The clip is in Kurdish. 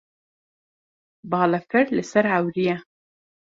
Balafir li ser ewrî ye.